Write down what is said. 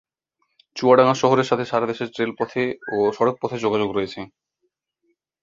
চুয়াডাঙ্গা শহরের সাথে সারা দেশের রেলপথে ও সড়ক পথে যোগাযোগ রয়েছে।